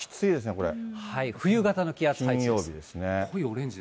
うわー、冬型の気圧配置です。